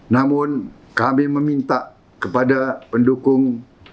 namun kami meminta kepada pendukung